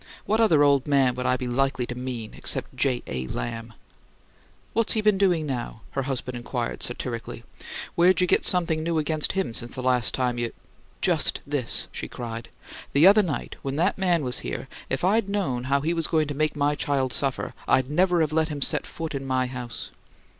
"What other old man would I be likely to mean except J. A. Lamb?" "What's he been doing now?" her husband inquired, satirically. "Where'd you get something new against him since the last time you " "Just this!" she cried. "The other night when that man was here, if I'd known how he was going to make my child suffer, I'd never have let him set his foot in my house."